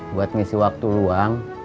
buat ngisi waktu ruang